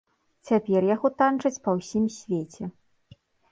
Цяпер яго танчаць па ўсім свеце.